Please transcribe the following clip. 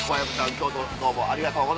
京都どうもありがとうございました。